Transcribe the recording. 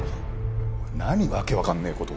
何わけわかんねえ事。